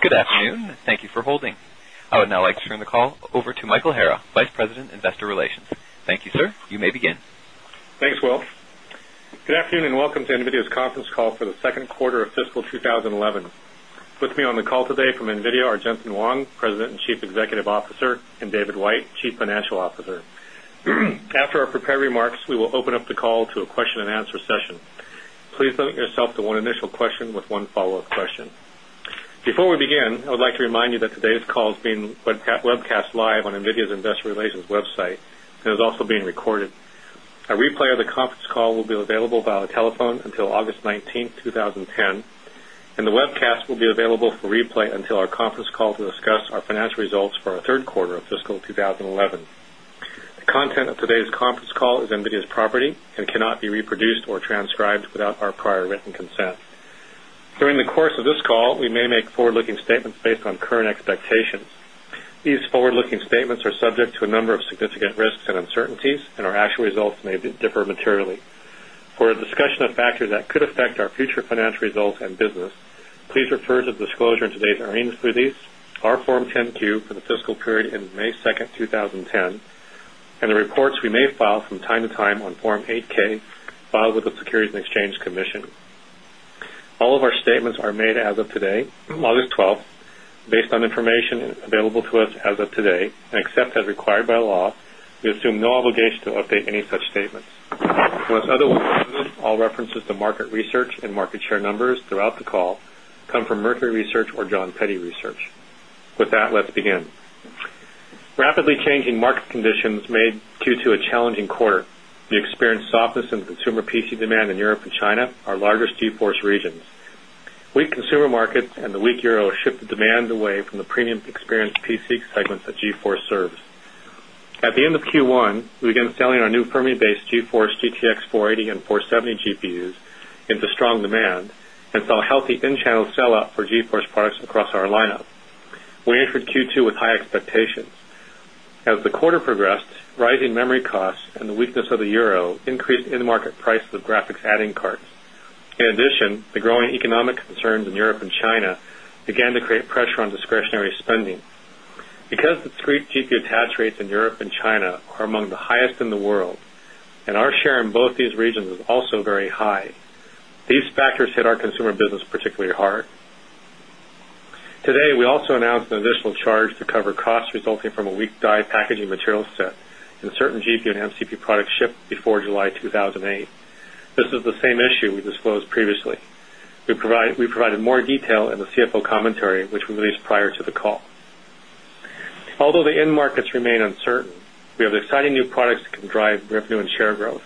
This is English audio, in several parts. Good afternoon. Thank you for holding. I would now like to turn the call over to Michael Hara, Vice President, Investor Relations. Thank you, sir. You may begin. Thanks, Will. Good afternoon and welcome to NVIDIA's conference call for the Q2 of fiscal 2011. With me on the call today from NVIDIA are Jensen Huang, President and Chief Executive Officer and David White, Chief Financial Officer. Before we begin, I would like to remind you that today's call is being webcast live on NVIDIA's Investor Relations website and is also being recorded. A replay of the call will be available via telephone until August 19, 2010, and the webcast will be available for replay until our conference call to discuss our financial results for our Q3 of fiscal 2011. The content of today's conference call is NVIDIA's property and cannot be reproduced or transcribed without our prior written consent. During the course of this call, we may make forward looking statements based on current expectations. These forward looking statements are subject to a number of risks and uncertainties and our actual results may differ materially. For a discussion of factors that could affect our future financial results and business, please refer to the disclosure in today's earnings release, our release, our Form 10 Q for the fiscal period in May 2, 2010 and the reports we may file from time to time on Form 8 ks filed with the Securities and Exchange Commission. All of our statements are made as of today, on information available to us as of today and except as required by law, we assume no obligation to update any such statements. Unless otherwise noted, all references to market research and market share numbers throughout the call come from Mercury Research or John Pette Research. With that, let's begin. Rapidly changing market conditions made Q2 a challenging quarter. We experienced softness in consumer PC demand in Europe and China, our largest GeForce regions. Weak consumer markets and the weak euro shifted demand away from the premium experienced PC segments that GeForce serves. At the end of Q1, we began selling our new Fermi based GeForce GTX 480 and 470 GPUs into strong demand and saw healthy in channel sellout for GeForce products across our lineup. We entered Q2 with high expectations. As the quarter progressed, rising memory costs and the weakness of the euro increased in market price of graphics adding cards. In addition, the growing economic concerns in Europe and China began to create pressure on discretionary spending. Because discrete GPU attach rates in Europe and China are among the highest in the world and our share in both these regions is also very high, factors hit our consumer business particularly hard. Today, we also announced an additional charge to cover costs resulting from a weak dyed packaging material set in certain GPU and MCP products shipped before July 2008. This is the same issue we disclosed previously. We provided more detail in the CFO commentary, which we released prior to the call. Although the end markets remain uncertain, we have exciting new products that can drive revenue and share growth.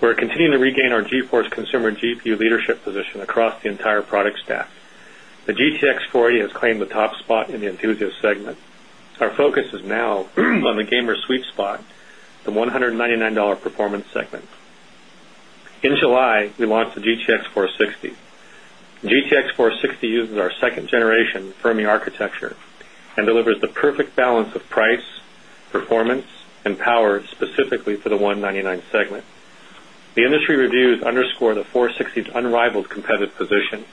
We are continuing to regain our GeForce consumer GPU leadership position across the entire product staff. The GTX 40 has claimed the top spot in the enthusiast segment. Our focus is now on the gamer sweet spot, the 100 and $99 performance segment. In July, we launched the GTX 460. GTX 460 uses our 2nd generation Fermi is unrivaled competitive position.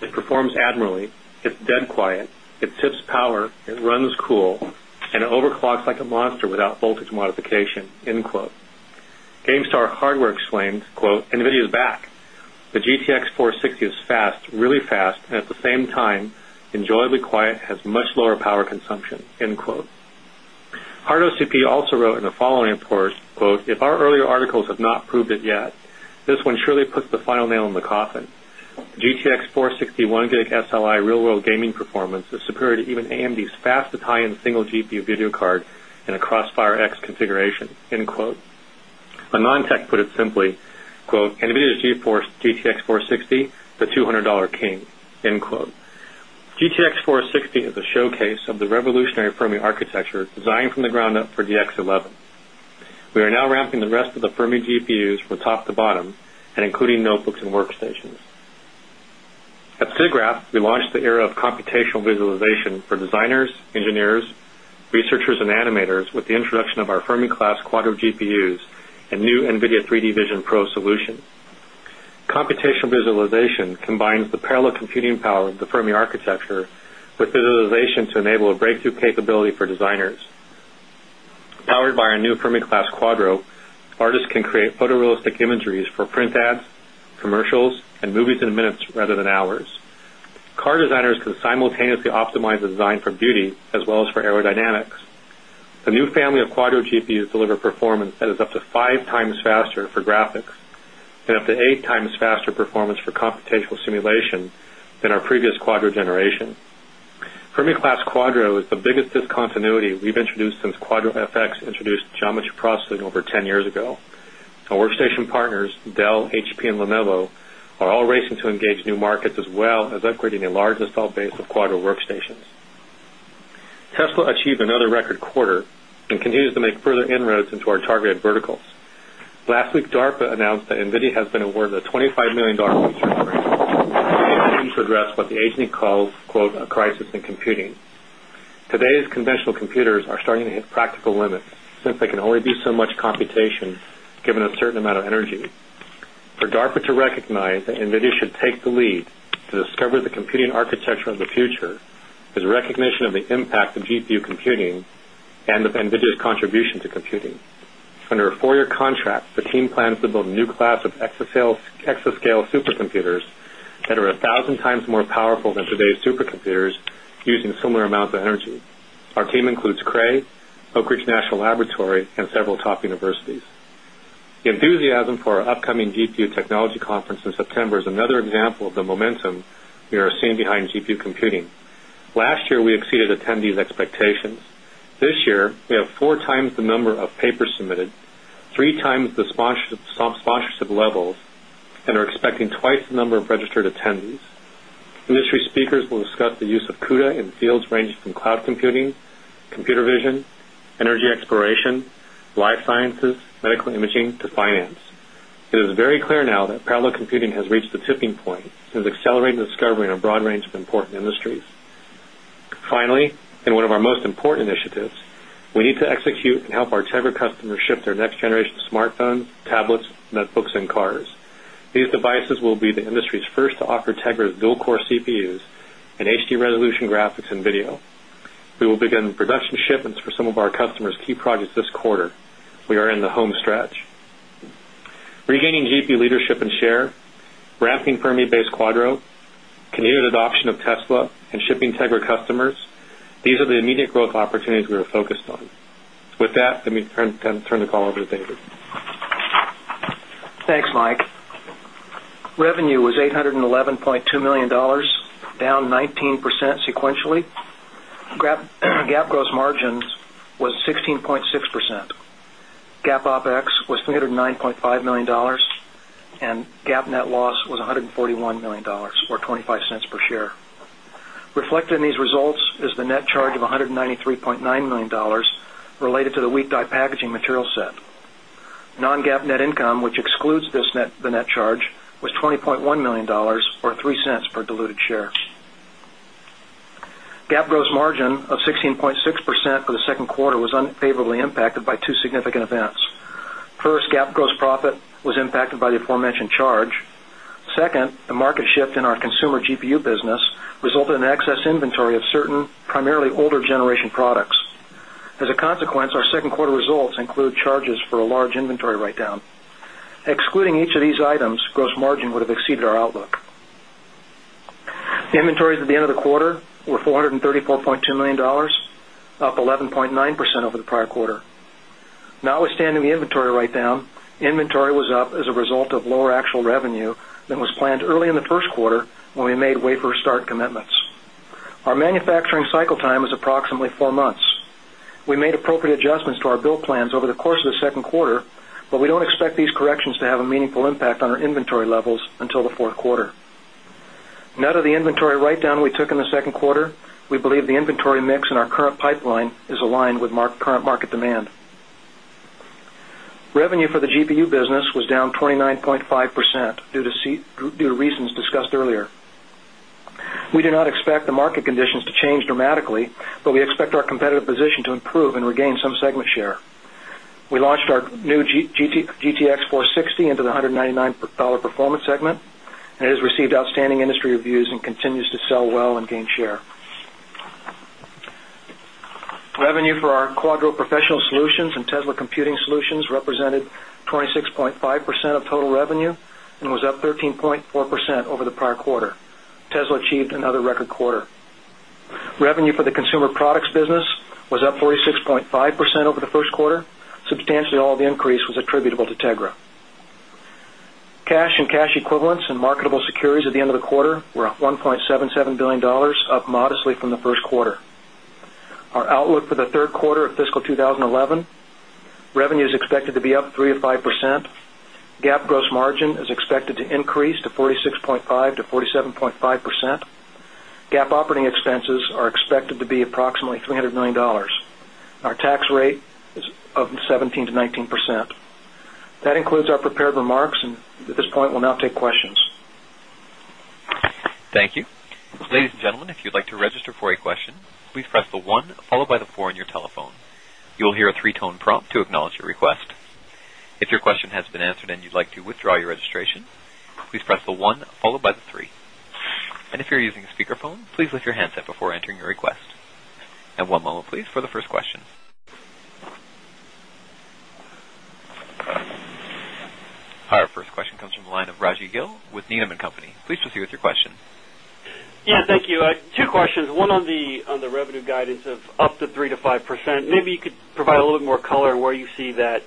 It's dead quiet, it tips power, it runs cool and it overclocks like a monster without voltage modification. GameStar Hardware explained NVIDIA is back. The GTX 460 is fast, really fast and at the same time, enjoyably quiet, has much lower power consumption. Hard OCP also wrote in the following reports, If our earlier articles have not proved it yet, this one surely puts the final nail in the coffin. GTX 4 60 1 gig SLI real world gaming performance is superior to even AMD's fastest high end single GPU video card in a Crossfire X configuration. MononTech put it simply, NVIDIA GeForce GTX 460, the $200 King. GTX 460 is a showcase of the revolutionary Fermi architecture from the ground up for DX11. We are now ramping the rest of the Fermi GPUs from top to bottom and including notebooks and workstations. At SIGGRAPH, we launched the era of computational visualization for designers, engineers, researchers and animators with the introduction of our Fermi class quadrant GPUs and new NVIDIA 3D Vision Pro solution. Computational visualization combines the parallel computing power of the Fermi of artists can create photorealistic inventories for print ads, commercials and movies in minutes rather than hours. Car designers can simultaneously optimize the design for beauty as well as for aerodynamics. The new family of Quadro GPUs deliver performance that up to 5x faster for graphics and up to 8x faster performance for computational simulation than our previous Quadro generation. Quadro is the biggest discontinuity we've introduced since QuadroFX introduced geometry processing over 10 years ago. Our workstation partners, Our workstation partners, Dell, HP and Lenovo are all racing to engage new markets as well as upgrading a large installed base of Quadro workstations. Achieved another record quarter and continues to make further inroads into our targeted verticals. Last week DARPA announced that NVIDIA has been awarded a $25,000,000 research grant. The agency addressed what the agency calls, A crisis in computing. Today's conventional computers are starting to hit practical limits since they can only do so much computation given a certain amount of energy. For DARPA to recognize that NVIDIA should take the lead to discover architecture of the future is recognition of the impact of GPU computing and of NVIDIA's contribution to computing. Under a 4 year contract, the team plans to build a new class of exascale supercomputers that are 1,000 times more powerful than today's supercomputers using similar amounts of energy. Our team includes Cray, Oak Ridge National Laboratory and several top universities. The enthusiasm for our upcoming GPU Technology Conference in September is another example of the momentum we are seeing behind GPU Computing. Last year, we exceeded attendees' expectations. This year, we have 4 times the number of papers submitted, 3 times the sponsorship levels and are expecting twice the number registered attendees. Industry speakers will discuss the use of CUDA in fields ranging from cloud computing, computer vision, energy exploration, life sciences, medical imaging to finance. It is very clear now that parallel computing has reached the tipping point since accelerating discovery in a broad range of important industries. Finally, in one of our most important initiatives, we need to execute and help our Teva customers shift their next generation TEGRA customers shift their next generation smartphones, tablets, notebooks and cards. These devices will be the industry's first to offer TEGRA's dual core CPUs and HD resolution graphics and video. We will begin production shipments for some of our customers' key projects this quarter. We are in the home stretch. Regaining GPU leadership and share, ramping Permian based Quadro, Quadro, continued adoption of Tesla and shipping TEGRA customers, these are the immediate growth opportunities we are focused on. With let me turn the call over to David. Thanks, Mike. Revenue was 811,200,000 dollars down 19% sequentially. GAAP gross margins was 16.6%. GAAP OpEx was $309,500,000 and GAAP net loss was $141,000,000 or $0.25 per share. Reflect these results is the net charge of $193,900,000 related to the weak die packaging material set. Non GAAP net income, which excludes the net charge was $20,100,000 or 0 point 6% for the Q2 was unfavorably impacted by 2 significant events. 1st, GAAP gross profit was impacted by the aforementioned charge. 2nd, the market in our consumer GPU business resulted in excess inventory of certain primarily older generation products. As a consequence, our 2nd quarter results include charges for a large inventory write down. Excluding each of these items, gross margin would have exceeded our outlook. Inventories at at the end of the quarter were $434,200,000 up 11.9 percent over the prior quarter. Notwithstanding the inventory write down, inventory was up as a result of lower actual revenue than was planned early in the Q1 when we made wafer start commitments. Our manufacturing cycle time was approximately 4 months. We made appropriate adjustments to our build plans over the course of the second quarter, but we don't expect these corrections to have a meaningful impact on our inventory levels until the Q4. Net of the inventory write down we took in the second quarter, we believe the inventory mix in our current pipeline is aligned with current market demand. Revenue for the GPU business was down 29.5% due to reasons discussed earlier. We do not expect the market conditions to change dramatically, but we expect our competitive position to improve and regain some segment share. We launched our new GTX 460 into the $199 performance segment and has received outstanding Computing Solutions represented 26.5 percent of total revenue and was up 13.4% over the prior record quarter. Revenue for the consumer products business was up 46.5% over the Q1, substantially all the increase was attributable to TEGRA. Cash and cash equivalents and marketable securities at the end of the quarter were up 1.77 $1,000,000,000 up modestly from the Q1. Our outlook for the Q3 of fiscal 2011, revenue is expected to be up 3% to 5% GAAP gross margin is expected to increase to 46.5 percent to 47.5 percent GAAP operating expenses are expected to take questions. Thank Our first question comes from the line of Rajeev Gill with Needham and Company. Please proceed with your question. Yes, thank you. Two questions. 1 on the revenue guidance of up to 3% to 5%, maybe you could provide a little bit more color where you see that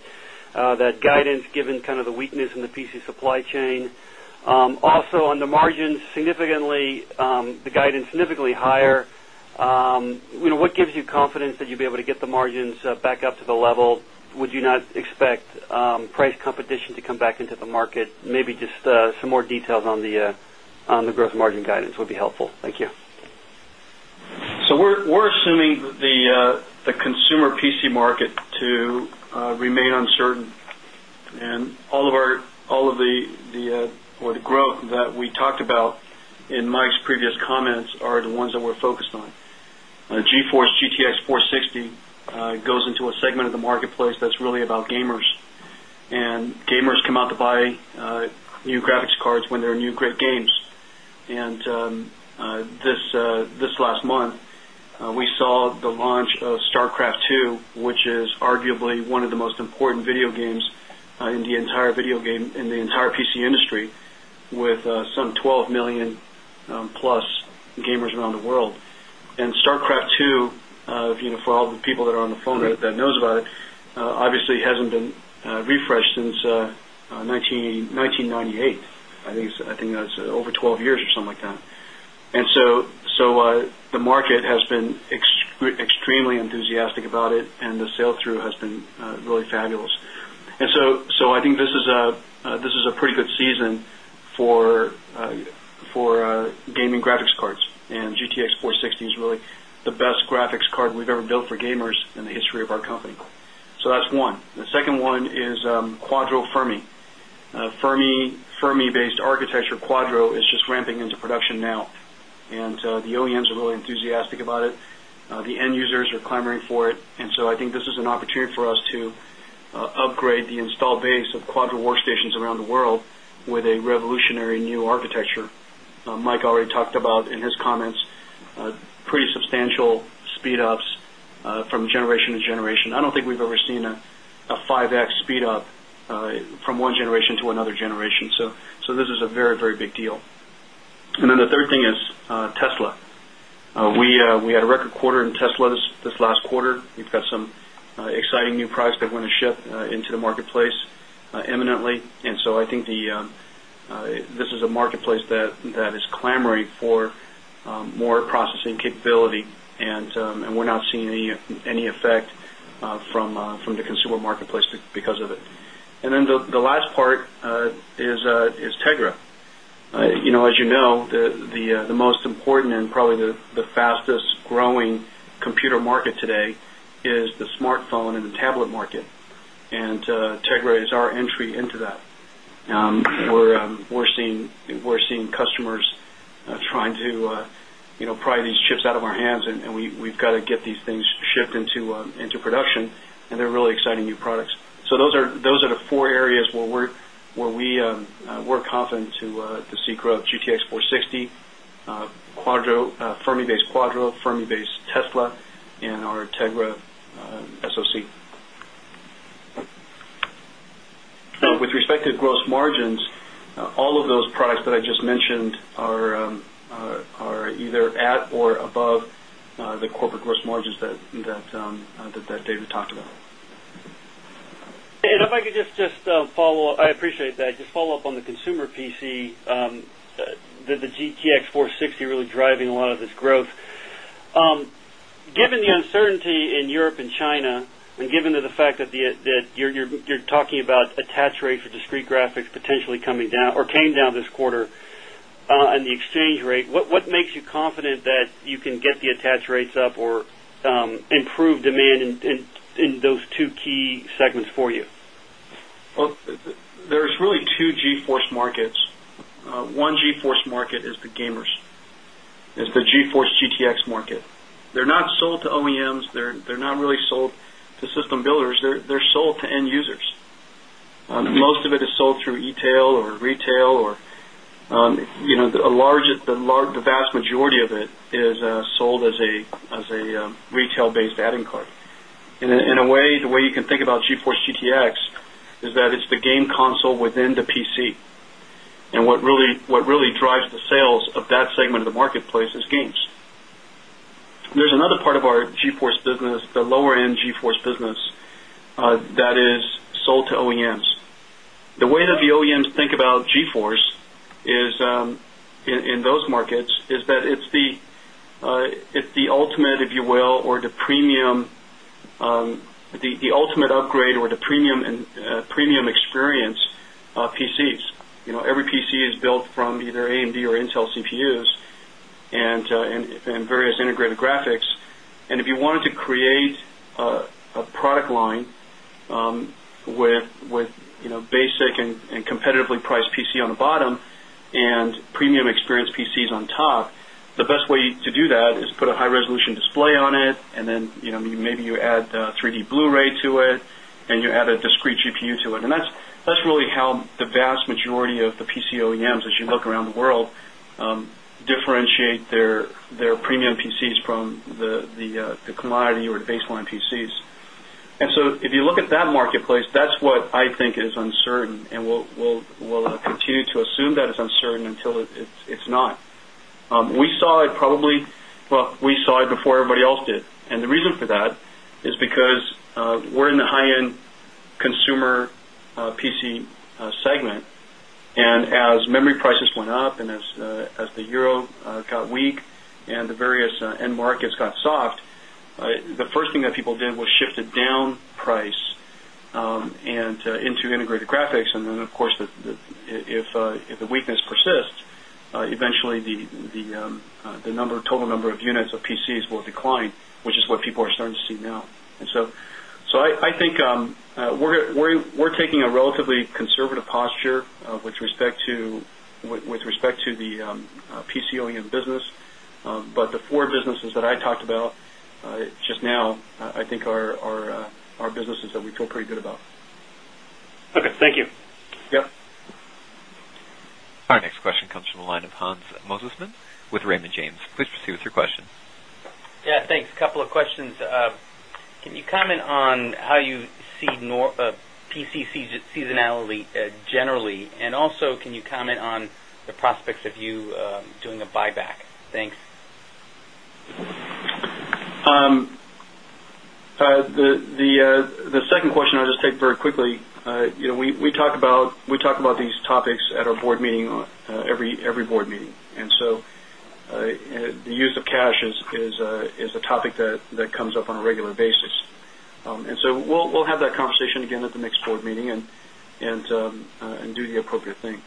guidance given kind of the weakness in the PC supply chain? Also on the margins significantly the guidance significantly higher, What gives you confidence that you'll be able to get the margins back up to the level? Would you not expect price competition to come back into the market? Maybe just some more details on the gross margin guidance would be helpful. Thank you. So we're assuming the consumer PC market to remain uncertain and all of the growth that we talked about in Mike's previous comments are the ones that we're focused on. GeForce GTX 460 goes into a segment of the marketplace that's really about gamers. And gamers come out to buy new graphics cards when there are new great games. And this last month, we saw the launch of StarCraft 2, which is arguably one of the most important II, which is arguably one of the most important video games in the entire video game in the entire PC industry with some 12,000,000 plus gamers around the world. And StarCraft II, for all the people that are on the phone that knows about it, obviously hasn't been refreshed since 1990 8. I think that's over 12 years or something like that. And so the market has been extremely enthusiastic about it and the sell through has been really fabulous. And so I think this is a pretty good season for gaming graphics cards and GTX 460 is really the best graphics card we've ever built for gamers in the history of our company. So that's one. The second one is Quadro Fermi. Fermi based architecture Quadro is ramping into production now. And the OEMs are really enthusiastic about it. The end users are clamoring for it. And so I think this is an opportunity for us to upgrade the installed base of Quadro workstations around the world with a revolutionary new architecture. Mike already talked about in his comments, pretty substantial speed ups from generation to generation. I don't think we've ever seen a 5x speed up from 1 generation to another generation. So this is a very, very big deal. And then the third thing is Tesla. We had a record quarter in Tesla this last quarter. We've got some exciting new products that we're going to ship into the marketplace imminently. And so I think this is a marketplace that is clamoring for more processing capability and we're not seeing any effect from the consumer marketplace because of it. And then the last part is Tegra. As you know, the most important and probably the fastest growing computer market today is the smartphone and the tablet market and Tegra is our entry into that. We're seeing customers trying to pry these chips out of our hands and we've to get these things shipped into production and they're really exciting new products. So those are the 4 areas where we're confident to see growth GTX 460, Fermi based Quadro, Fermi based Tesla and our Tegra SoC. With respect to gross margins, all of those products that I just mentioned are either at or above the corporate gross margins that David talked about. And if I could just follow-up I appreciate that. Just follow-up on the consumer PC, the GTX 460 really driving a lot of this growth. Given the uncertainty in Europe and China and given the fact that you're talking about attach rates for discrete graphics potentially coming down or came down this quarter and the exchange rate, what makes you confident that you can get the attach rates up or improve demand in those 2 key segments for you? There is really 2 GeForce markets. 1 GeForce market is the gamers, is the GeForce GTX market. To OEMs, they're not really sold to system builders, they're sold to end users. Most of it is sold through e tail or retail or the large the vast majority of it is sold as a retail based adding card. In a way, the way you can think about GeForce GTX is that it's the game console within the PC. And what really drives the sales of that segment of the marketplace is games. There's another part of our GeForce business, the lower end GeForce business that is sold to OEMs. The way that the OEMs think about GeForce is in those markets is that it's the ultimate, if you will, or the ultimate upgrade or the premium experience PCs. Every PC is built from either AMD or Intel CPUs and various integrated graphics. And if you wanted to create a product line with basic and competitively priced PC on the bottom and premium experience PCs on top, the best way to do that is put a high resolution display on it and then maybe you add 3 d Blu Ray to it and you add a discrete GPU to it. And that's really how the vast majority of the PC OEMs as you look around the world differentiate their premium PCs from the commodity or baseline PCs. And so if you look at that marketplace, that's what I think is uncertain and we'll continue to assume that is uncertain until it's not. We saw it probably well, we saw it before everybody else did. And the reason for that is because we're in the high end euro got weak and the various end markets got soft, the first thing that people did was shifted down price and into integrated graphics and then of course if the weakness persists, eventually the number of total number of units of PCs will decline, which is what people are starting to see now. And so, I think we're taking a relatively conservative posture with respect to the PC OEM business, but the 4 businesses that I talked about just now I think are businesses that we feel pretty good about. Our next question comes from the line of Hans Mosesmann with Raymond James. Please proceed with your question. Can you comment on how you see PCC's seasonality generally? And also can you comment on the prospects of you doing a buyback? Thanks. The second question, I'll just take very quickly. We talk about these topics at our Board meeting, every Board meeting. And so the use of cash is a topic that comes up on a regular basis. And so we'll have that conversation again at the next Board meeting and do the appropriate thing.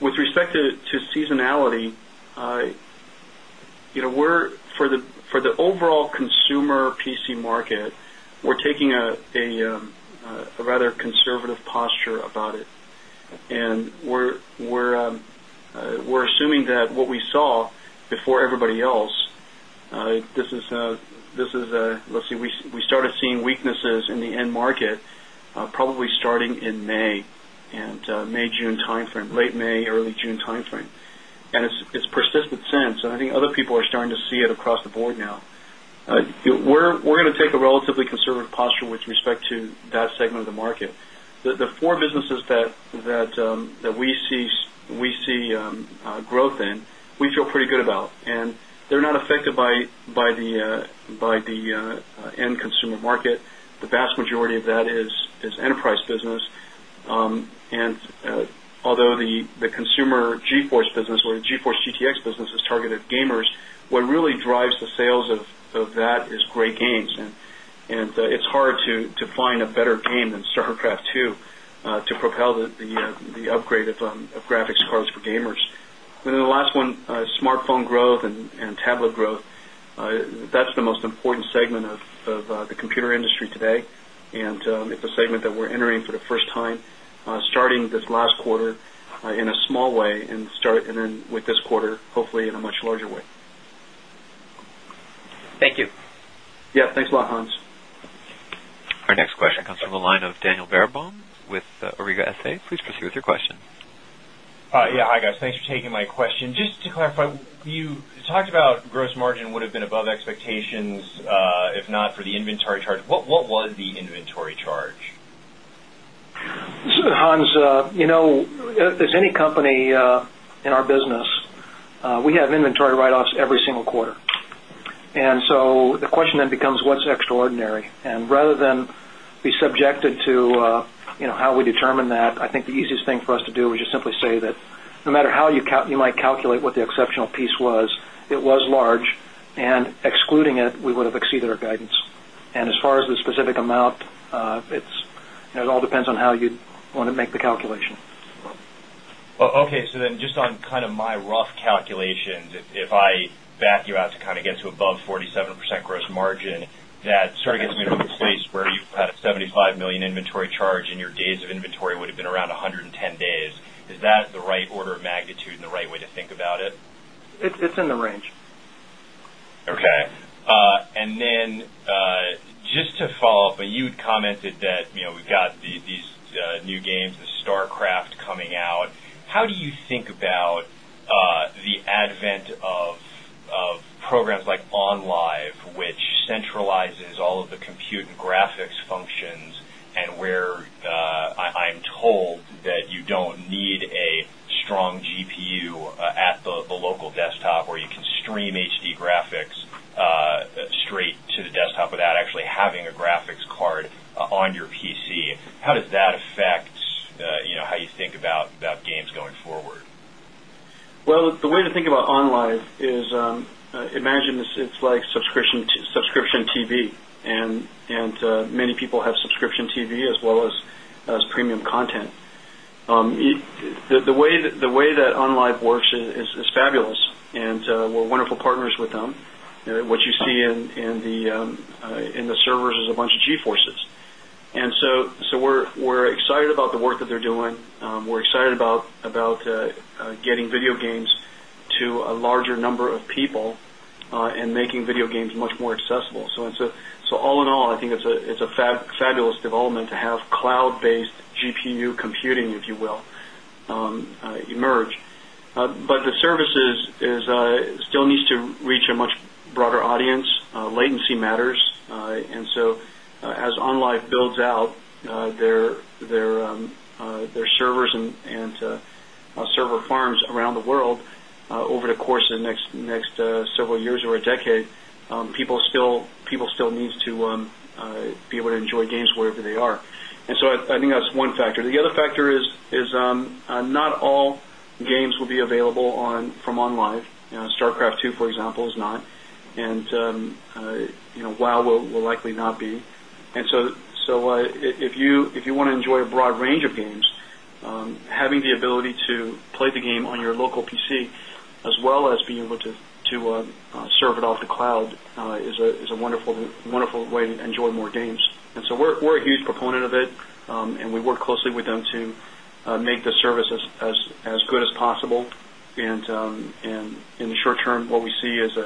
With respect to seasonality, we're for the overall consumer PC market, we're taking a rather conservative posture about it. And we're assuming that what we saw before everybody else, this is a let's see, we started seeing weaknesses in the end market probably starting in May June timeframe, late May, early June timeframe. And it's persisted since. And I think other people are starting to see it across the board now. We're going to take a relatively conservative posture with respect to that segment of the market. The 4 businesses that we see growth in, we feel pretty good about and they're not affected by the end consumer market. The vast majority of that is enterprise business. And although the consumer GeForce business or GeForce GTX business is targeted gamers, what really drives the sales of that is great games. And it's hard to find a better game than StarCraft II to propel the upgrade of graphics cards for gamers. And then the last one, smartphone growth and tablet growth. That's the most important segment of the computer industry today. And it's a segment that we're entering for the first time starting this last quarter in a small way and start and then with this quarter hopefully in a much larger way. Thank you. Yes, thanks a lot Hans. Our next question comes from the line of Daniel Baerbaum with Auriga SA. Please proceed with your question. Yes. Hi, guys. Thanks for taking my question. Just to clarify, you talked about gross margin would have been above expectations, if not for the inventory charge. What was the inventory charge? Hans, as Hans, as any company in our business, we have inventory write offs every single quarter. And so, the question then becomes what's extraordinary and rather than be subjected to how we determine that, I think the easiest thing for us to do is just simply say that no matter how you might calculate what the exceptional piece was, it was large and excluding it, we would have exceeded our guidance. And as far as the specific amount, it all depends on how you want to make the calculation. Okay. So then just on kind of my calculations, if I back you out to kind of get to above 47% gross margin, that sort of gets me to a place where you've had a $75,000,000 inventory charge and your days of inventory would have been around 110 days. Is that the right order of magnitude, and right way to think about it? It's in the range. Okay. And then to follow-up, you had commented that we've got these new games, the StarCraft coming out. How do you think about the advent of programs like OnLive, which centralizes all of the compute and graphics functions and where I'm told that you don't need a strong GPU at the local desktop where you can stream HD graphics straight to the desktop without actually having a graphics card on your PC. How does that affect how you think about games TV as well as subscription TV and many people have subscription TV as well as premium content. The way that Unlive works is fabulous and we're wonderful partners with them. What you see in the servers is a bunch of g forces. And so, we're excited about the work that they're doing. We're excited about getting video games to a larger number of people and making video games much more accessible. So all in all, I think it's a fabulous development to have cloud based GPU computing, if you will, emerge. But the services still needs to reach a much broader audience, latency matters. And so as OnLive builds out their servers and server farms around the world over the course of the next several years or a decade, people still needs to be able to enjoy games wherever they are. And so I think that's one factor. The other factor is not all games will be available on from online, StarCraft II, for example, is not and Wow will likely not be. And so if you want to enjoy a broad range of games, having the ability to play the game on your local PC as well as being able to serve it off the cloud is a wonderful way to enjoy more games. And so we're a huge proponent of it and we work closely with them to make the services as good as possible. And in the short term, what we see is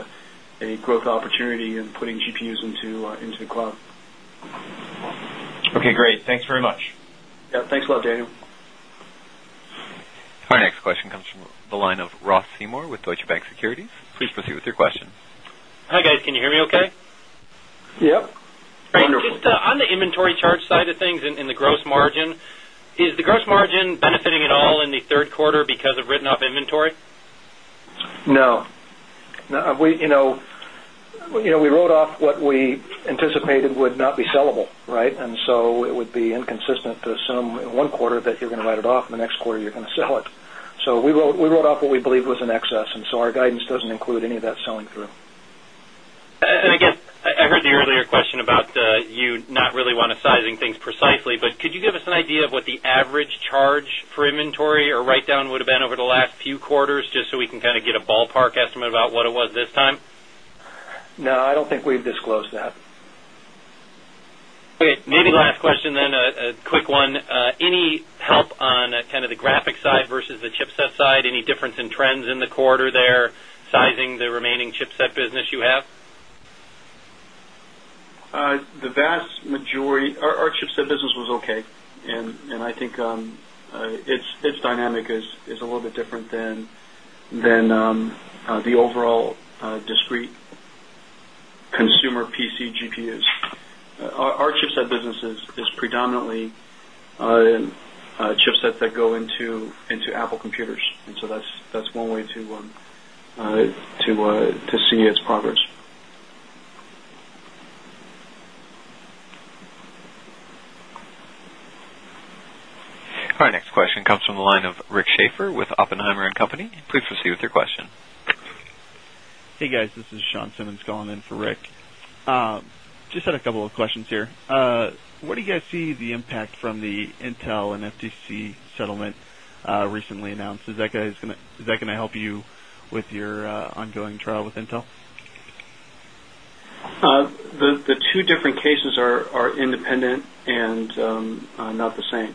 a growth opportunity in putting GPUs into the cloud. Okay, great. Thanks very much. Yes, thanks a lot, Daniel. Our next question comes from the line of Ross Seymore with Deutsche Bank Securities. Please proceed with your question. Hi, guys. Can you hear me okay? Yes. Just on the inventory charge side of things in the gross margin, is the gross margin benefiting at all in the Q3 because of written off inventory? No. We wrote off what we anticipated would not be sellable, right? And so it would be inconsistent to assume in one quarter that you're going to write it off and the next quarter you're going to sell it. So we wrote off what we believe was in excess and so our guidance doesn't include any of that selling through. And guess I heard the earlier question about you not really want to sizing things precisely, but could you give us an idea of what the average charge for inventory or write down would have been over the last few quarters just so we can kind of get a ballpark estimate about what it was this time? No, I don't think we've disclosed that. Okay. Maybe last question then a quick one. Any help on kind of the graphic side versus the chipset side? Any difference in trends in the quarter there it's dynamic is a little bit different than its dynamic is a little bit different than the overall discrete consumer PC GPUs. Our chipset business is predominantly chipsets that go into Apple Computers. And so that's one way to see its progress. Our next question comes from the line of Rick Schafer with Oppenheimer and Company. Please proceed with your question. Hey, guys. This is Sean Simmons calling in for Rick. Just had a couple of questions here. Where do you guys see the impact from the Intel and FTC settlement recently announced? Is that going to help you with your ongoing trial with Intel? The 2 different The 2 different cases are independent and not the same.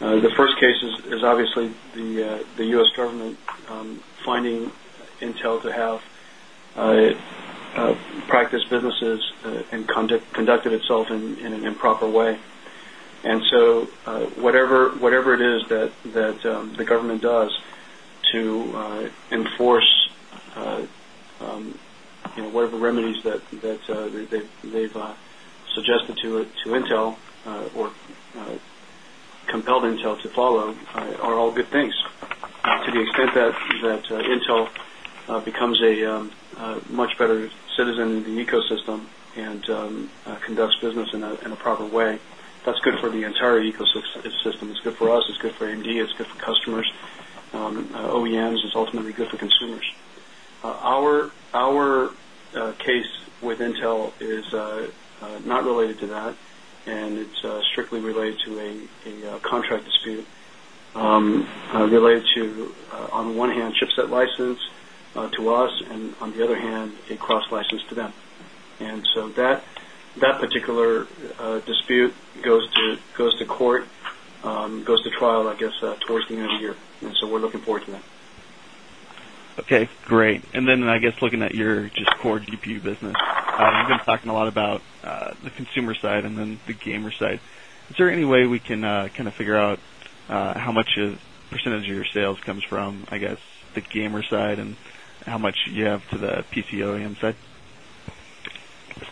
The first case is obviously the U. S. Government finding Intel to have practice businesses and conducted itself in an improper way. And so whatever it is that the government does to in enforce whatever remedies that they've suggested to Intel or compelled Intel to follow are all good things to the extent that Intel becomes a much better citizen in the ecosystem and conducts business in a proper way, that's good for the entire ecosystem, ecosystem. It's good for us. It's good for AMD. It's good for customers. OEMs is ultimately good for consumers. Our with Intel is not related to that and it's strictly related to a contract dispute related to on the one hand chipset license to us and on the other hand guess, So we're looking forward to that. Okay, great. And then I guess looking at your just core GPU business, you've been talking sales comes from I guess the gamer side and how much you have to the PC OEM side?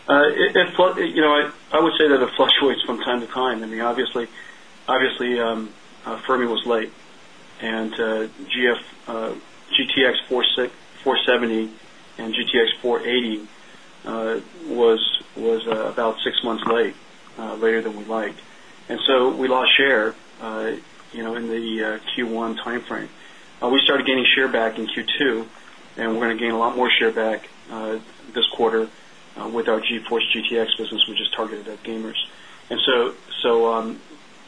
I would say that it fluctuates from time to time. I mean obviously Fermi was late and GTX 470 and GTX 480 was about 6 months late, later than we like. And so we lost share in the Q1 timeframe. We start gaining share back in Q2 and we're going to gain a lot more share back this quarter with our GeForce GTX business, which is targeted at gamers. And so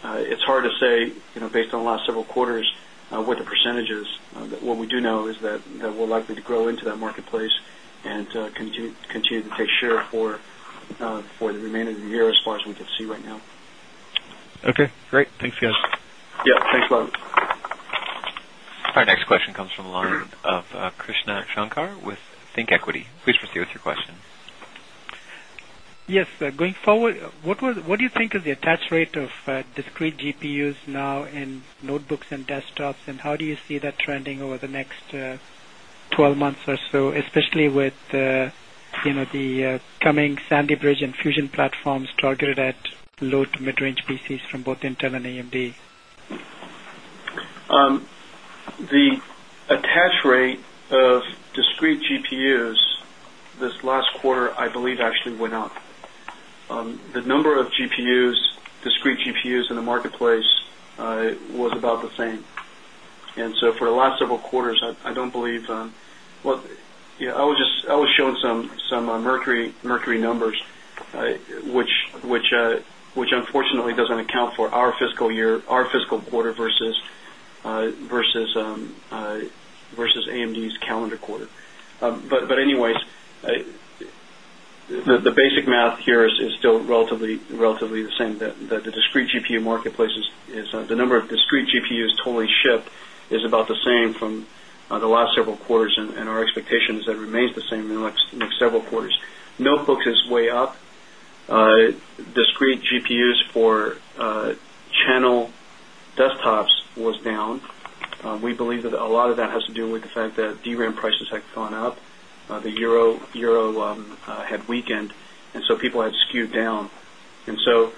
it's hard to say based on the last several quarters what the percentage is. What we do know is that we're likely to grow into that marketplace and continue to take share for the remainder of the year as far as we can see right now. Okay, great. Thanks guys. Yes, thanks a lot. Our next question comes from the line of Krishna Shankar with Think Equity. Please proceed with your question. Yes. Going forward, what do you think is the attach rate of discrete GPUs now in notebooks and desktops? And how do you see that trending over the next 12 months or so, especially with the coming Sandy Bridge and Fusion platforms targeted at low to mid range PCs from both Intel and AMD? The attach rate of discrete GPUs this last quarter, I believe actually went up. The number of GPUs discrete GPUs in the marketplace was about the same. And so for the last several quarters, I don't believe I was just showing some mercury numbers, which unfortunately doesn't account for our fiscal year, our fiscal quarter versus AMD's calendar quarter. But anyways, the basic math here is still relatively the same. The discrete GPU marketplaces is the number of discrete GPU totally shipped is about the same from the last several quarters and our expectation is that remains the same in the next several quarters. Notebooks is up. Discrete GPUs for channel desktops was down. We believe that a lot of that has to do with the fact that DRAM prices have gone up, the euro had weakened and so people had skewed down. And so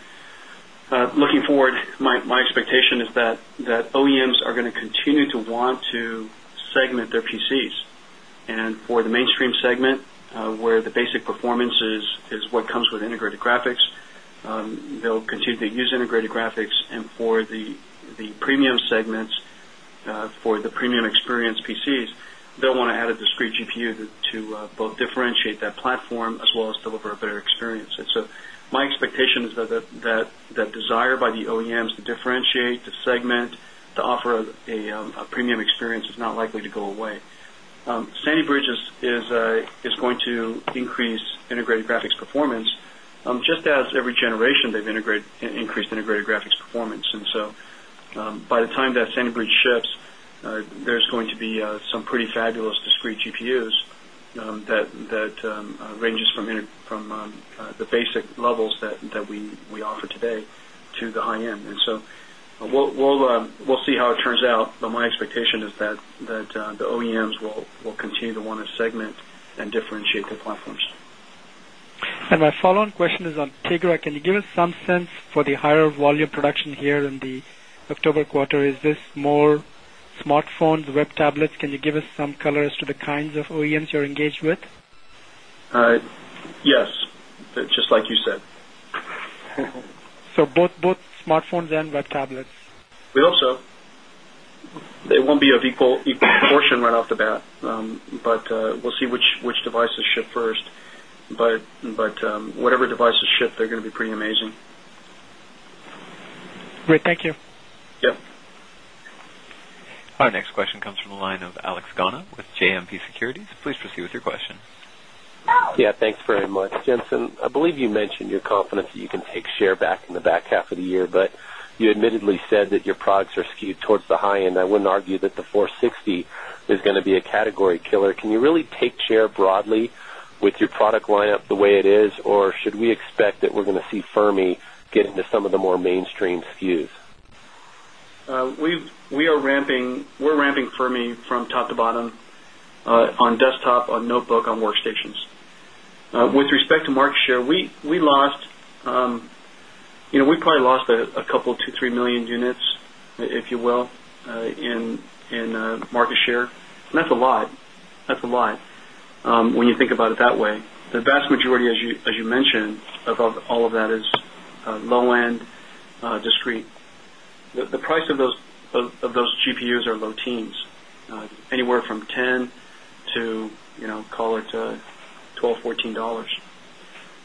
looking forward, my expectation is that OEMs are going to continue to want to segment their PCs. And for the mainstream segment, where the basic performance is what comes with integrated graphics, they'll continue to use integrated graphics. And for the premium segments, for the premium experience PCs, they'll want to add a discrete GPU to both differentiate that platform as well as deliver a better experience. So my expectation is that desire by the OEMs to differentiate the segment to offer a premium experience is not likely to go away. Sandy Bridge is going to increase integrated graphics performance, just as every generation they've integrated And so we'll see how it turns out, but my expectation is that we're going to end. And so we'll see how it turns out, but my expectation is that the OEMs will continue to want to segment and differentiate their platforms. And my follow on question is on Tigra. Can you give us some sense for the higher volume production here in the October quarter? Is this more Just like you said. So both Yes, just like you said. So both smartphones and web tablets? We also they won't be of equal portion right off the bat, but we'll see which devices ship first. But whatever devices ship, they're going to pretty amazing. Our next question comes from the line of Alex with JMP Securities. Please proceed with your question. Yes, thanks very much. Jensen, I believe you mentioned your confidence that you can take share back in the back half of the year, but you admittedly said that your products are skewed towards the high end. I wouldn't argue that the 460 is going to be a category killer. Can you really take share broadly with your product lineup the way it is or should we expect that we're going to see Fermi get into some of the more mainstream SKUs? We are ramping Fermi from top to bottom on desktop, on notebook, on workstations. With respect to market share, we lost we probably lost a couple of 2,000,000, 3000000 units, if you will, in market share. And that's a lot, that's a lot when you think about it that way. The vast majority, as you mentioned, above all of that is low end discrete. The price of those GPUs are low teens, anywhere from $10 to call it $12 $14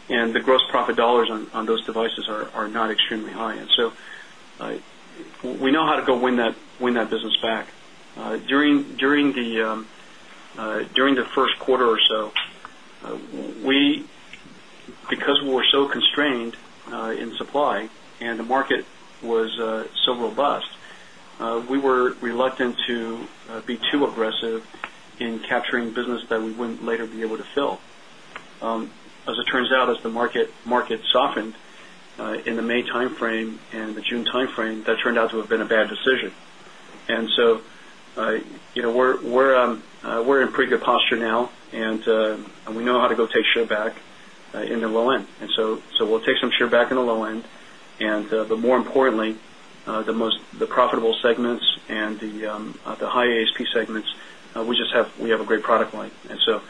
And the gross profit dollars on those devices are not extremely high. And so we know how to go win that business back. During the Q1 or so, we because we're so constrained in supply and the market was so robust, we were reluctant to be too aggressive in capturing business that we wouldn't later be able to fill. As it turns out, as the market softened in the May time frame and the June time frame that turned out to have been a bad decision. And so we're in pretty good posture now and we know how to go take share back in the low end. And so we'll take some share back in the low end, but more importantly, the most the profitable segments and the high ASP segments, we just have we have a great product line. And so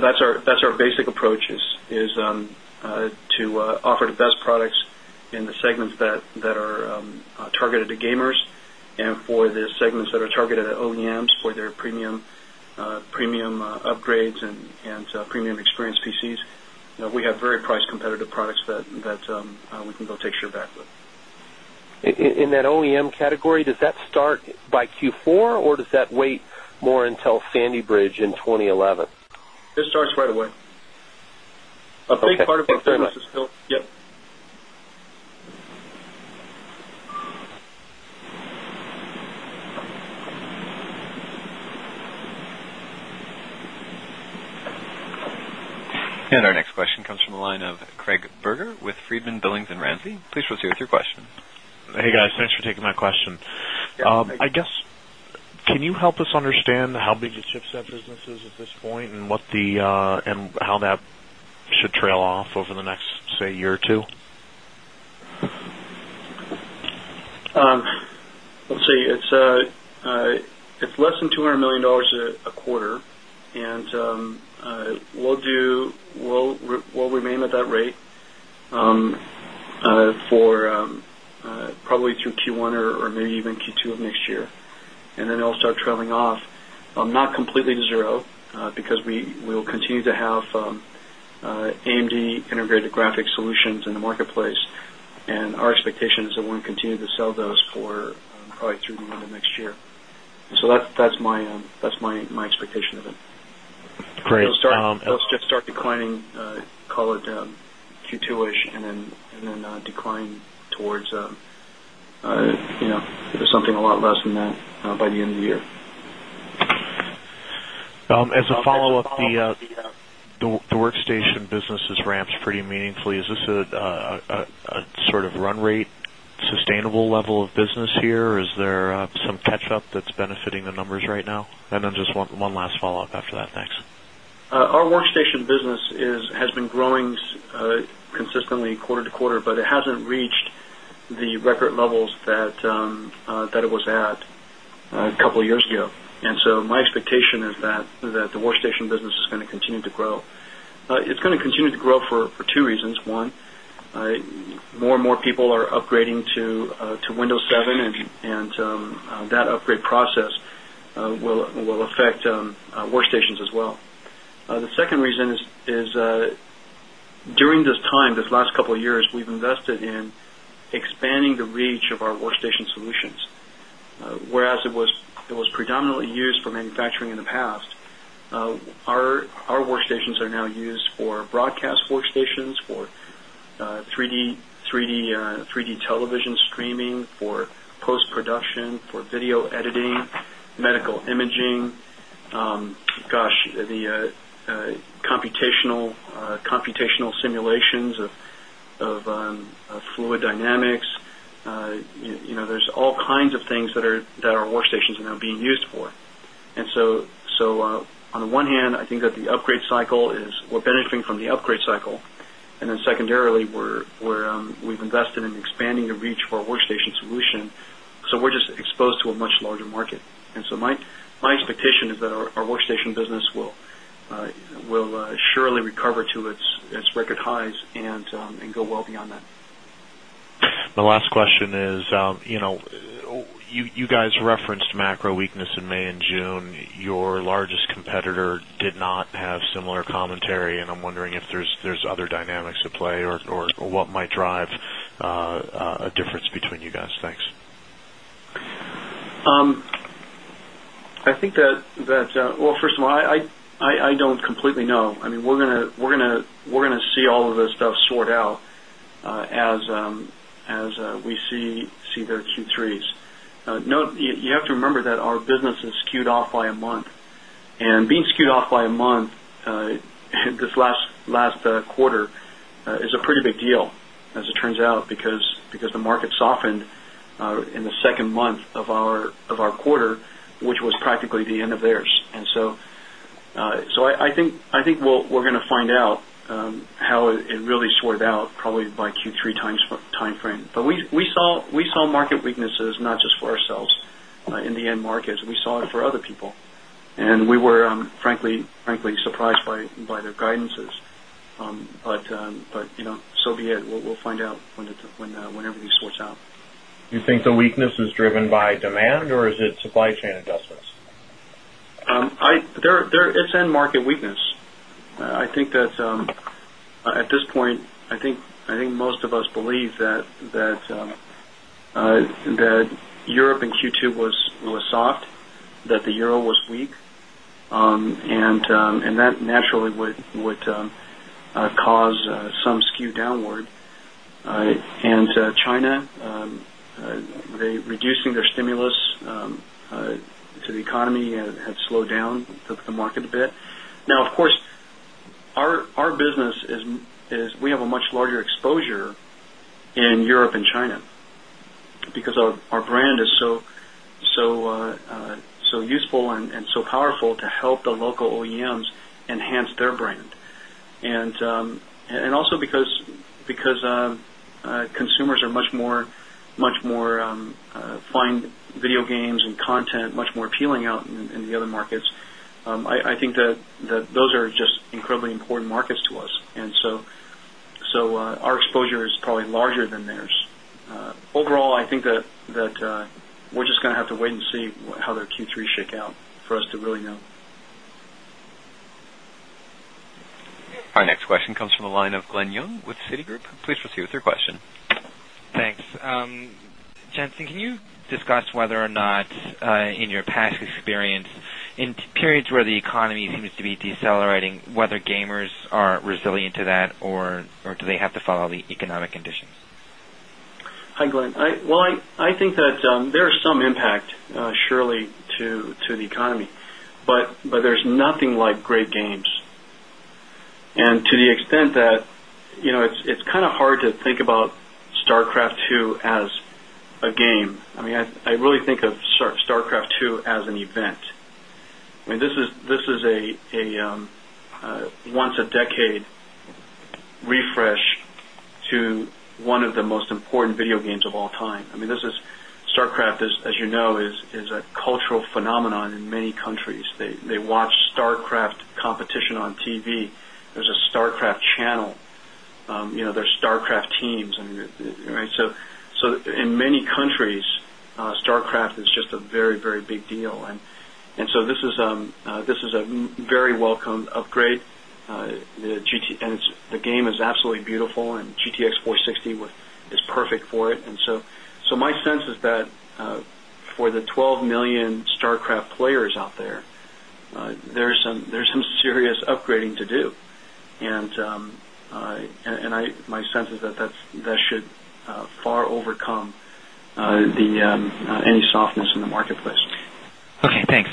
that's our basic approach is to offer the best products in the segments that are targeted to gamers and for the segments that are targeted at OEMs for their premium upgrades and premium experience PCs, we have very price competitive products that we can go take share back with. In that OEM category, does that start by Q4 or does that wait more until Sandy Bridge in 2011? It starts right away. And next question comes from the line of Craig Burger with Friedman, Billings and Ramsey. Please proceed with your question. Hey, guys. Thanks for taking my question. I guess can you help us understand how big the chipset business is at this point and what the and how that should trail off over the next say year or 2? Let's see, it's less than $200,000,000 a quarter and we'll do we'll remain at that rate for probably through Q1 or maybe even Q2 of next year. And then it will start trailing off, not completely to 0, because we will continue to have AMD integrated graphics solutions in the marketplace and our expectation is that we'll continue to sell those for probably through the end of next year. So that's my expectation of it. Great. It'll just start declining, call it Q2 ish and then decline towards a lot less than that by the end of the year. As a follow-up, the workstation business has ramped pretty meaningfully. Is this a sort of run rate sustainable level of business here? Or is there some catch up that's benefiting the numbers right now? And then just one last follow-up after that. Thanks. Our workstation business has been growing consistently quarter to quarter, but hasn't reached the record levels that it was at a couple of years ago. And so my expectation is that the workstation business is going to continue to grow. It's going to continue to grow for two reasons. 1, more and more people are upgrading to Windows 7 and that upgrade process will affect work stations as well. The second reason is during this time, these last couple of years, we've invested in expanding the reach of our workstation solutions. Whereas it was predominantly used for manufacturing in the past, our workstations are now used for broadcast workstations, for 3 d television streaming, for post for postproduction, for video editing, medical imaging, gosh, the computational simulations of fluid dynamics, there's all kinds of things that are we've invested in expanding the reach for workstation solution. So we're just exposed to a much larger market. And so my expectation is that our workstation business will surely The My last question is, you guys referenced macro weakness in May June. Your largest competitor did not have similar commentary and I'm wondering if there's other dynamics at play or what might drive a difference between you guys? Thanks. I think that, well, first of all, I don't completely know. I mean, we're going to see all of this stuff sort out as we see their Q3s. Note, you have to remember that our business is skewed off by a month and being skewed off by a month this last quarter is a pretty big deal as it turns out, because the market softened in the 2nd month of our quarter, which was practically the end of theirs. And so I think we're going to find out how it really sorted out probably by Q3 timeframe. But we saw market weaknesses, not just for ourselves in the end markets, we saw it for other people. And we were frankly surprised by their guidances. But so be it, we'll find out whenever we source out. Do you think the weakness is driven by demand or is it supply chain adjustments? It's end market weakness. I think that at this point, I think most of us believe that euro was weak, and that naturally would cause some skew downward. And China, reducing their stimulus to the economy have slowed down the market a bit. Now, of course, our business is we have a much larger exposure in Europe and China, because our brand is so useful and so powerful to help the local OEMs enhance their brand. And also because consumers are much more find video games and content much more appealing out in the other markets, I think that those are just incredibly important markets to us. And so our exposure is probably larger than theirs. Overall, I think that we're just going to have to wait and see how their Q3 shake out for us to really know. Our next question comes Our next question comes from the line of Glenn Young with Citigroup. Please proceed with your question. Thanks. Jen Hsing, can you discuss whether or not in your past experience in periods where the economy seems to be decelerating whether gamers are resilient to that or do they have to follow the economic conditions? Hi, Glenn. Well, I think that there is some impact surely to the economy, but there's nothing like great games. And to the extent that it's kind of hard to think about StarCraft 2 as a game. I mean, I really think of StarCraft 2 as an event. I mean, this is a once a decade refresh to 1 of StarCraft, you know, is a cultural phenomenon in many countries. They watch StarCraft competition on TV. There's a StarCraft channel. There's StarCraft teams. So in many countries, StarCraft is just a very, very big deal. And so this is a very welcome upgrade. The game is absolutely beautiful and GTX 460 is perfect for it. And so my sense is that for the 12,000,000 StarCraft players out there, there is some serious upgrading to do. And my sense is that that should far overcome any softness in the marketplace. Okay, thanks.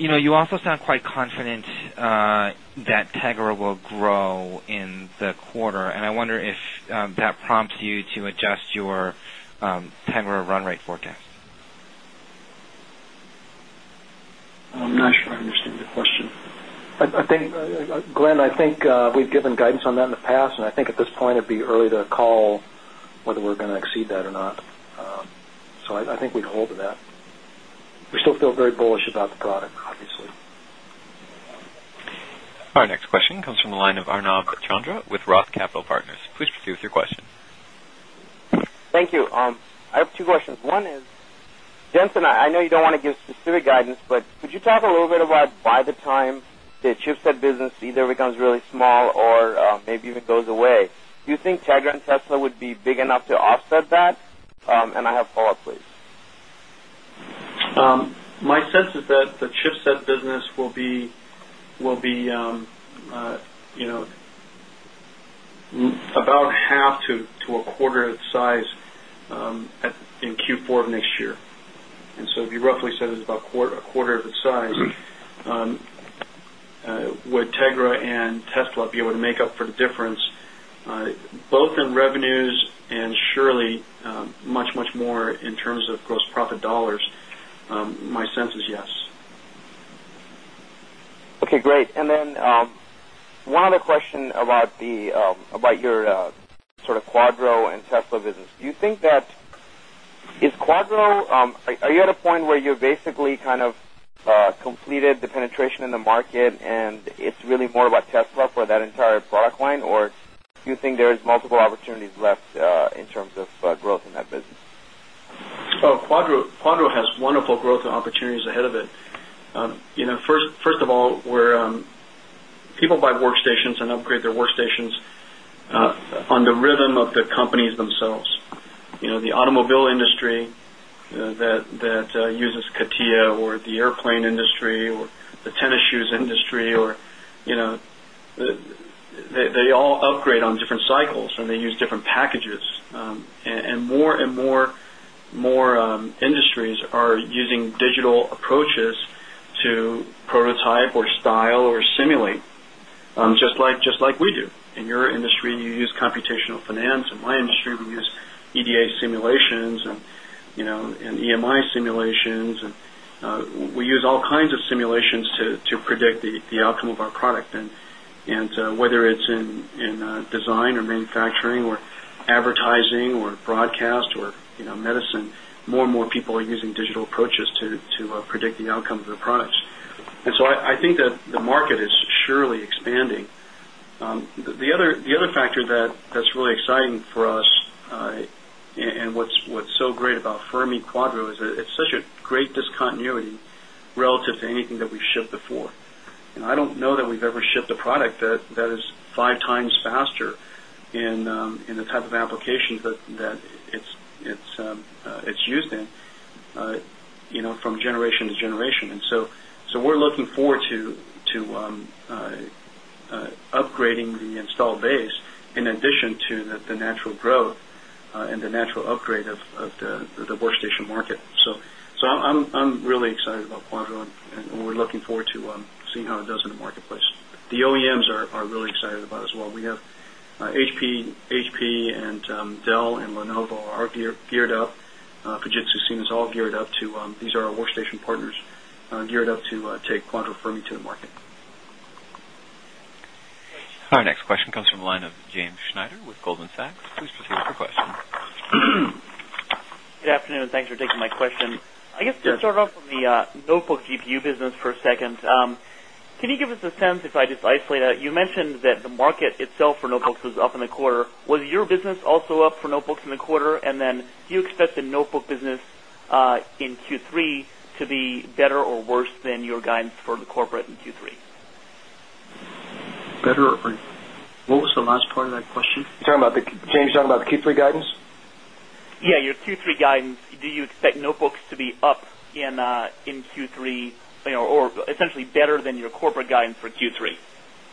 You also sound quite confident that TEGRA will grow in the quarter. And I wonder if that prompts you to adjust your TEGRA run rate forecast? I'm not sure I understand the question. Glenn, I think we've given guidance on that in the past and I think at this point it would be early to call whether we're going to exceed that or not. So I think we hold to that. We still feel very bullish about the product obviously. Our next question comes from the line of Arnab Chandra with ROTH Capital Partners. Please proceed with your question. Thank you. I have two questions. One is, Jensen, I know you don't want to give specific guidance, but could you talk a little bit about by the time the chipset business either becomes really small or maybe even goes away, do you think Tega and Tesla would be big enough to offset that? And I have a follow-up, please. My sense is that the chipset business will be about half to a quarter of size in Q4 of next year. And so you roughly said it's about a quarter of its size. Would Tegra and Tesla be able to up for the difference, both in revenues and surely much, much more in terms of gross profit dollars, my sense is yes. Okay, great. And then one other question about the about your sort of Quadro and Tesla business. Do you think that is Quadro are you at a point where you basically kind of completed the penetration in the market and it's really more about Tesla for that entire product line? Or do you think there is multiple opportunities left in terms of growth in that business? Quadro has wonderful growth opportunities ahead of it. First of all, where people buy workstations and upgrade their workstations on the rhythm of the companies themselves. The automobile industry that uses CATIA or the airplane industry or the tennis shoes industry or they all upgrade on different cycles and they use different packages. And more and more industries are using digital approaches to prototype or style or simulate just like we do. In your industry, you use computational finance. In my industry, we use EDA simulations and EMI simulations. We use all kinds of simulations to predict the outcome of our product and whether it's in design or manufacturing or advertising or broadcast or medicine, more and more people are using digital approaches to predict the outcome of their products. And so I think that the market is surely expanding. The other factor that's really exciting for us and what's so great about Fermi Quadro is it's such a great discontinuity relative to anything that we've shipped before. And I don't know that we've ever shipped a product that is 5 times faster in the type of applications that it's used in from generation to generation. And so we're looking forward to upgrading the installed base in addition to the natural growth and the natural upgrade of the workstation market. So I'm really excited about Quadro and we're looking forward to seeing how it does in the marketplace. The OEMs are really excited about as well. We have HP and and Lenovo are geared up. Fujitsu SINA is all geared up to these are our workstation partners geared up to take Quadro Fermi to the market. Our next question comes from the line of James Schneider with Goldman Sachs. Please proceed with your question. Good afternoon. Thanks for taking my question. Yes. I guess to start off with the notebook GPU business for a second. Can you give us a sense if I just isolate that? You mentioned that the market itself for notebooks was up in the quarter. Was your business also up for notebooks in the quarter? And then do you expect the notebook business in Q3 to be better or worse than your guidance for the corporate in Q3? Better or what was the last part of that question? James, you're talking about the Q3 guidance? Yes, your Q3 guidance, do you expect notebooks to be up in Q3 or essentially better than your corporate guidance for Q3?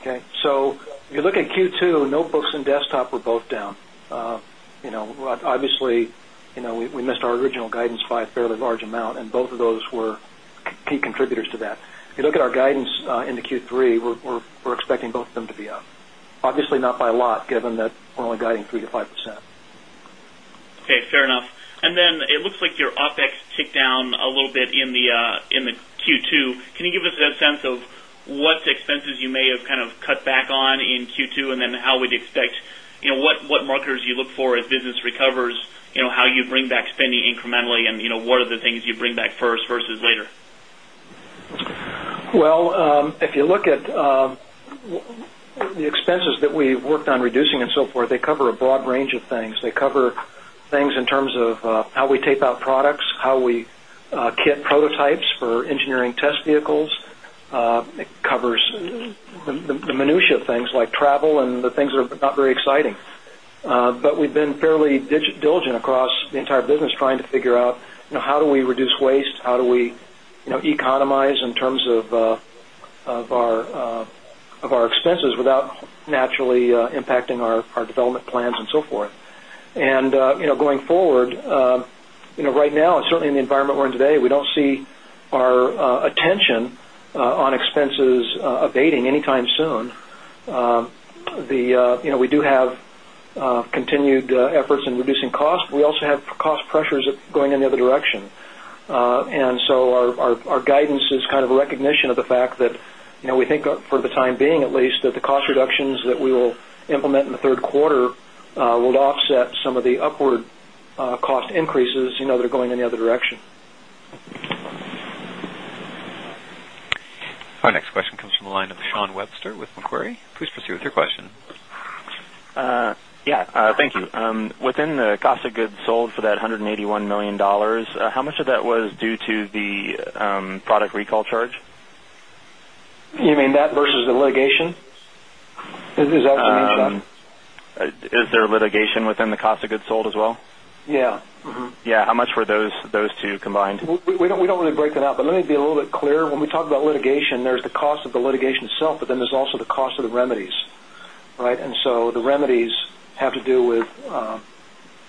Okay. So if you look at Q2 notebooks and desktop were both down. Obviously, we missed our original guidance by a fairly large amount and both of those were key contributors to that. If you look at our guidance into Q3, we're expecting both of them to be up, obviously not by a lot given that we're only guiding 3% to 5%. Okay, fair enough. And then it looks like your OpEx ticked down a little bit in the Q2. Can you give us a sense of what expenses you may have kind of cut back on in Q2? And then how we'd expect what markers you look for as business recovers? How you bring back spending incrementally? And what are the things you bring back first versus later? Well, if you look at the expenses that we worked on reducing and so forth, they cover a broad range of things. They cover things in terms of how we tape out products, how we kit prototypes for for engineering test vehicles. It covers the minutiae of things like travel and the things that are not very exciting. But we've been fairly diligent across the entire business trying to figure out how do we reduce waste, how do we economize in terms of our expenses without naturally impacting our development plans and so forth. And going forward, right now, certainly in the environment we're in today, we don't see our attention on expenses abating anytime soon. We do have continued efforts in reducing costs. We also have cost pressures going in the other direction. And so our guidance is kind of recognition of the fact that we think for the time being at least that the cost reductions that we will implement in the Q3 will offset some of the upward cost increases that are going in the other direction. Our next question comes from the line of Sean Webster with Macquarie. Please proceed with your question. Thank you. Within the cost of goods sold for that $181,000,000 how much of that was due to litigation? Is that the main trend? Is there litigation within the cost of goods sold as well? Yes. Yes. How much were those 2 combined? We don't really break them up, but let me be a little bit clear. When we talk about litigation, there's the cost of the litigation itself, but then there's also the cost of the remedies, right? And so the remedies have to do with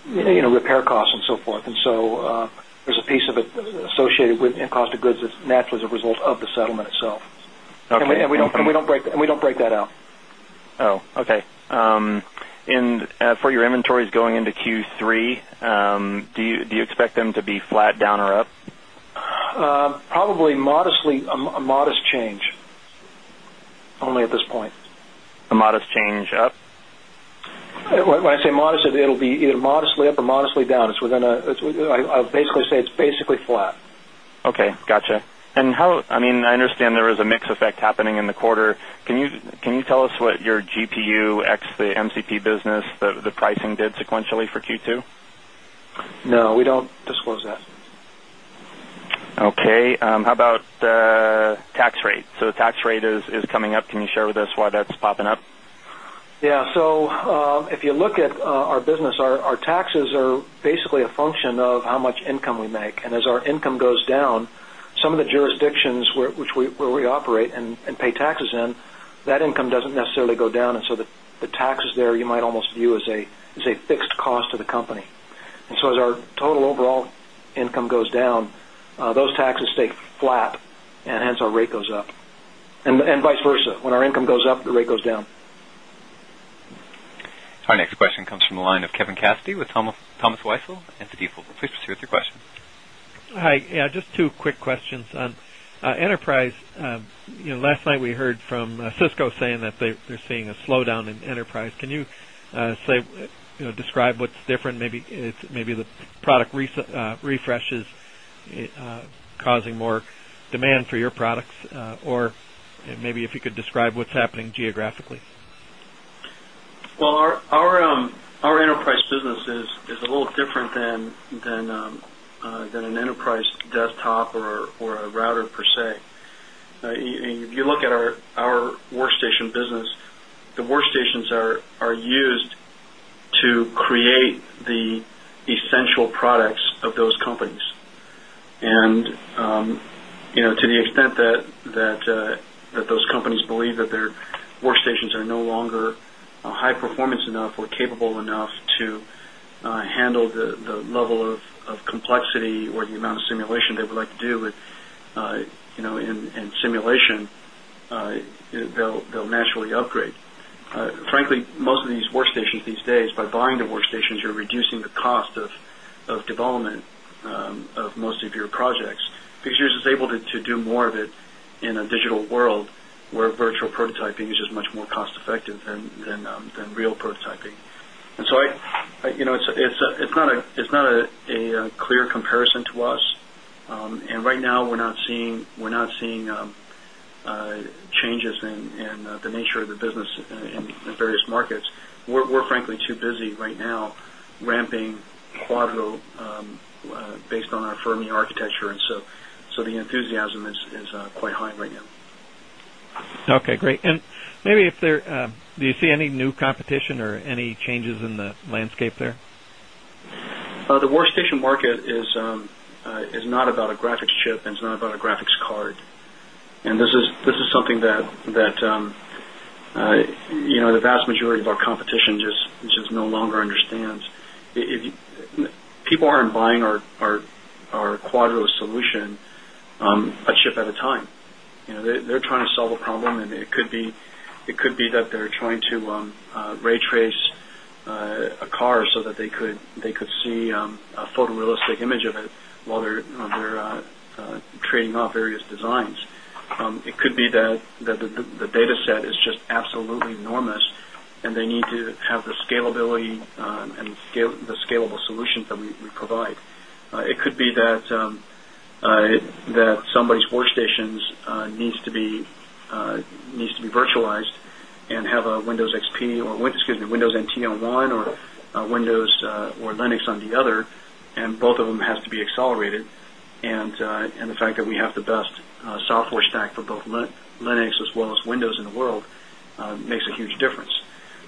repair costs and so forth. And so there's a piece of it associated with cost of goods that's naturally as a result of the settlement itself. And we don't break that out. Okay. And for your inventories going into Q3, do you expect them to be flat down or up? Probably modestly a modest change, only at this point. A modest change up? When I say modest, it will be either modestly up or modestly down. It's within a I'll basically say it's basically flat. Okay, got you. And how I mean I understand there is a mix effect happening in the quarter. Can you tell us what your GPU ex the MCP business, the pricing did did sequentially for Q2? No, we don't disclose that. Okay. How about the tax rate? So, tax rate is coming up. Can you share with us why that's popping up? Yes. So, if you look at our business, our taxes are basically a function of how much income we make. And as our income goes down, some of the jurisdictions which we operate and pay down, as our total overall income goes down, those taxes stay flat and hence our rate goes up and vice versa. When our income goes up, the rate goes down. Our next question comes from the line of Kevin Cassidy with Thomas Weisel and Stifel. Please proceed with your question. Hi. Just two quick questions on enterprise. Last night we heard from Cisco saying that they're seeing a slowdown in enterprise. Can you describe what's different? Maybe the product refresh is causing more demand for your products or maybe if you could describe what's happening geographically? Well, our enterprise business is a little different than an enterprise desktop or a router per se. And if you look at our workstation business, the workstations are used to create the essential products of those companies. And to the extent that those companies believe that their workstations are no longer high performance enough or capable enough to handle the level of complexity or the amount of simulation they would like to do in simulation, they'll naturally upgrade. Frankly, most of these workstations these days by buying the workstations, you're reducing the cost of development of most of your projects, because you're just able to do more of it in a digital world where virtual prototyping is just much more cost effective than real prototyping. And so it's not a clear comparison to us. And right now, we're not seeing changes in the nature of the business in various markets. We're frankly too busy right now ramping Quadro based on Fermi architecture and so the enthusiasm is quite high right now. Okay, great. And maybe if there do you see any new competition or any changes in the landscape there? The workstation market is not about a graphics chip and it's not about a graphics card. And this is something that the vast majority of our competition just no longer understands. At a time. They're trying to solve a problem and it could be that they're trying to ray trace a car so that they could see a photorealistic image of it while they're trading off various designs. It could be that the data set is just absolutely enormous and they need to have the scalability and the scalable solutions that we provide. It could be that somebody's workstations needs to be virtualized and have a Windows XP or excuse me, Windows NT on 1 or Windows or Linux on the other and both of them has to be accelerated. And the fact that we have the best software stack for both Linux as well as Windows in the world makes a huge difference.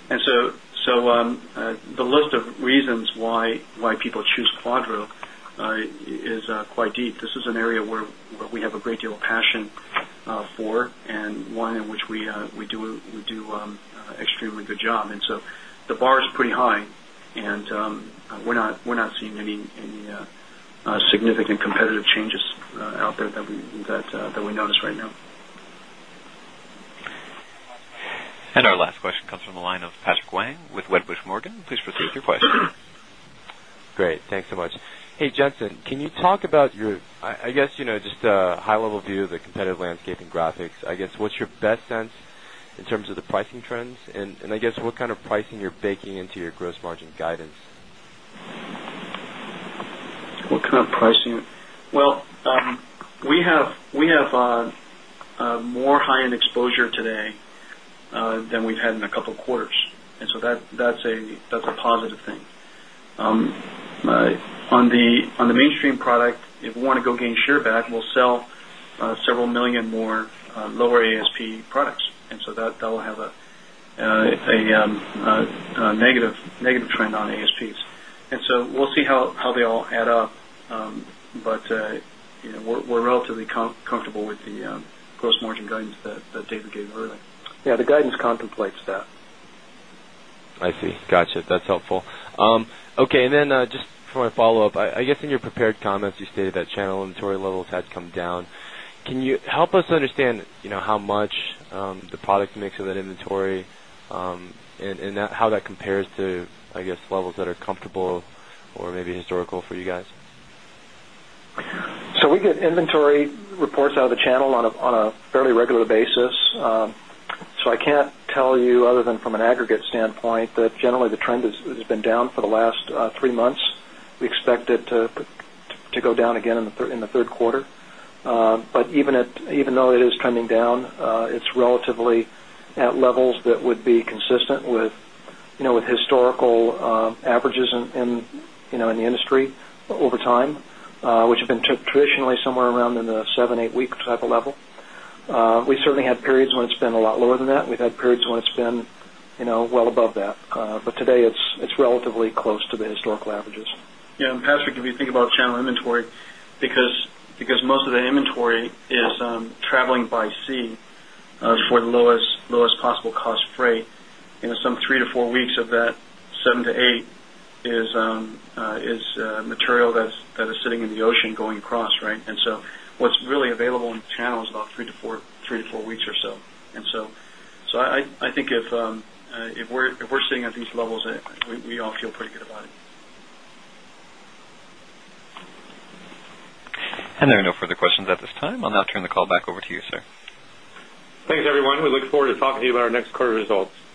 And so the list of reasons why people choose Quadro is quite deep. This is an area where we have a great deal of passion for and one in which we do extremely good job. And so the bar is pretty high and we're not seeing any significant competitive changes out there that we notice right now. And our last question comes from the line of Patrick Wang with Wedbush Morgan. Hey, Jensen, can you talk about your I guess, just a high level view of guidance? What kind of price you're baking into your gross margin guidance? What kind of pricing? Well, we have more high end exposure today than we've had in a couple of quarters. And so that's a positive thing. On the mainstream product, if we want to go gain share back, we'll sell several million more lower ASP products. And so that will have a negative trend on ASPs. And so, we'll see how they all add up, but we're relatively comfortable with the gross margin guidance that David gave earlier. Yes, the guidance contemplates that. I see. Got you. That's helpful. Okay. And then just for my follow-up, I guess in your prepared comments you stated that channel inventory levels had come down. Can you help us understand how much the product mix of that inventory and how that compares to I guess levels that are comfortable or maybe historical for you guys? So we get inventory reports out of channel on a fairly regular basis. So I can't tell you other than from an aggregate standpoint that generally the trend has been down for the last 3 months. We expect it to go down again in the Q3. But even though it is trending down, it's relatively at levels that would be consistent with historical averages in the industry over time, which have been traditionally somewhere around in the 7, 8 weeks type of level. We certainly had periods when it's been a lot lower than that. We've had periods when it's been well above that. But today, it's relatively close to the historical averages. Yes. And Patrick, if you think about channel inventory, because most of the inventory is traveling by sea for the lowest possible cost freight. Some 3 to 4 weeks of that 7 to 8 is material that is sitting in the ocean going across, right. And so what's really available in the channel is about 3 to 4 weeks or so. And so, I think if we're seeing at these levels, we all feel pretty good about it. And there are no further questions at this time. I'll now turn the call back over to you, sir. Thanks, everyone. We look forward to talking to you about our next quarter results.